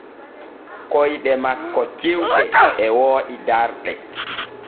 Koyɗe makko cewɗe e wooɗi darɗe.